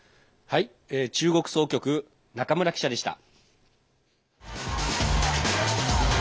中国総局、中村記者でした。